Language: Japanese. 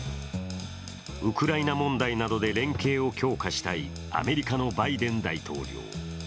ウクライナ問題などで連携を強化したいアメリカのバイデン大統領。